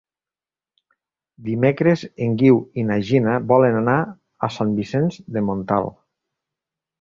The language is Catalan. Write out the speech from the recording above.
Dimecres en Guiu i na Gina volen anar a Sant Vicenç de Montalt.